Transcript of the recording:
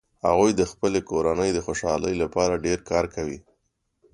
هغوي د خپلې کورنۍ د خوشحالۍ لپاره ډیر کار کوي